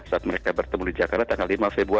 saat mereka bertemu di jakarta tanggal lima februari